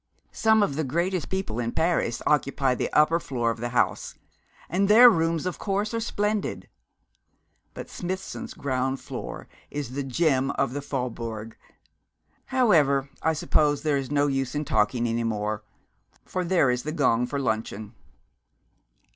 Some of the greatest people in Paris occupy the upper part of the house, and their rooms of course are splendid; but Smithson's ground floor is the gem of the Faubourg. However, I suppose there is no use in talking any more; for there is the gong for luncheon.'